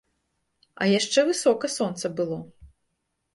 А яшчэ высока сонца было.